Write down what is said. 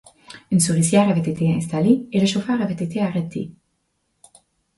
Une souricière avait été installée et le chauffeur avait été arrêté.